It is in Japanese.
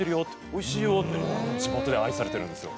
おいしいよ」って地元で愛されてるんですよ。